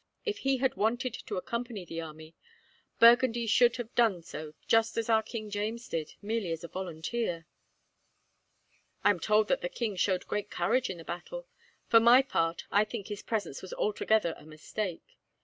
If he had wanted to accompany the army, Burgundy should have done so just as our King James did, merely as a volunteer. "I am told that the king showed great courage in the battle. For my part, I think his presence was altogether a mistake.